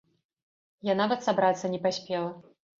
Я нават сабрацца не паспела.